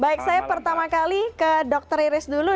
baik saya pertama kali ke dr iris dulu